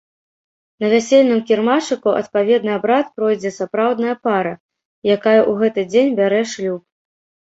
На вясельным кірмашыку адпаведны абрад пройдзе сапраўдная пара, якая ў гэты дзень бярэ шлюб.